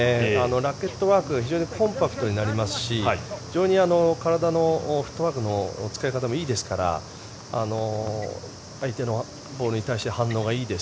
ラケットワーク非常にコンパクトになりますし非常に体のフットワークの使い方もいいですから相手のボールに対して反応がいいです。